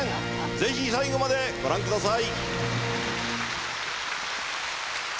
ぜひ最後までご覧ください。